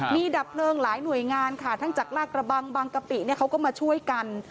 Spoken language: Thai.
ดับเพลิงหลายหน่วยงานค่ะทั้งจากลากระบังบางกะปิเนี่ยเขาก็มาช่วยกัน